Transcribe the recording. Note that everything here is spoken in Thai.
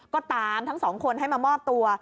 ก็ตามทั้งสองคนให้มามอบตัว